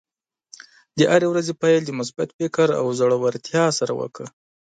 د هرې ورځې پیل د مثبت فکر او زړۀ ورتیا سره وکړه.